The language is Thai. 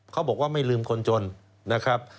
เขาบอกว่าไม่ลืมคนจนนะครับ